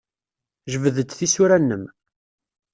Jbed-d tisura-nnem.